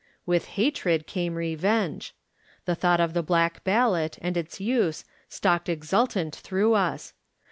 With hatred came revenge. The thought of the black ballot and its use stalked exultant through us.